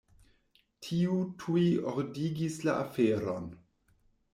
Tio tuj ordigis la aferon.